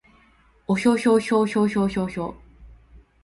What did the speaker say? おひょひょひょひょひょひょ